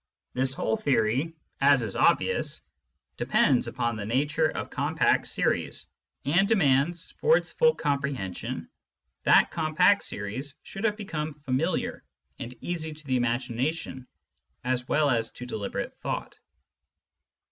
This whole theory, as is obvious, depends upon the nature of compact series, and demands, for its full comprehension, that compact series should have become familiar and easy to the imagination as well as to deliberate thought.